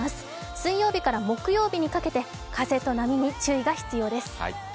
水曜日から木曜日にかけて風と波に注意が必要です。